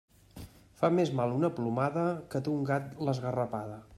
Fa més mal una plomada, que d'un gat l'esgarrapada.